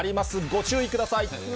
ご注意ください。